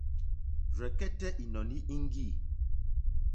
Rzɛ̀kɛ́tɛ́ ìnɔ̀ní íŋɡî.